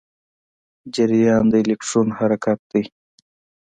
جریان د الکترون حرکت دی.